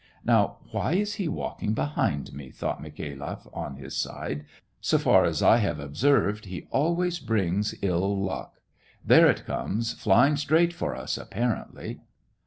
" Now, why is he walking behind me.?" thought Mikhailoff, on his side. " So far as I have observed, he always brings ill luck. There it comes, flying straight for us, apparently."